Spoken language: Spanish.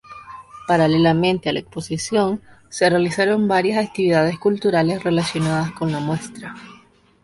Paralelamente a la Exposición se realizaron varias actividades culturales relacionadas con la muestra.